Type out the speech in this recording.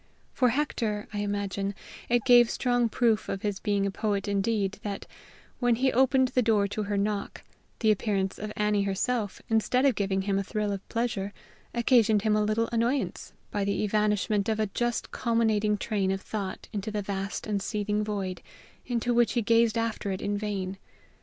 For Hector, I imagine, it gave strong proof of his being a poet indeed that, when he opened the door to her knock, the appearance of Annie herself, instead of giving him a thrill of pleasure, occasioned him a little annoyance by the evanishment of a just culminating train of thought into the vast and seething void, into which he gazed after it in vain.